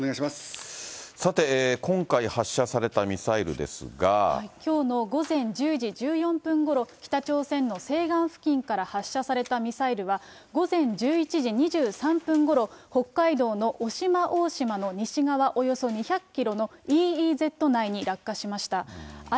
さて、今回、発射されたミサきょうの午前１０時１４分ごろ、北朝鮮の西岸付近から発射されたミサイルは、午前１１時２３分ごろ、北海道の渡島大島の西側およそ２００キロのＥＥＺ内に落下しました。